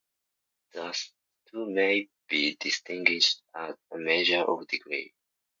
Thus, the two may be distinguished as a measure of degree.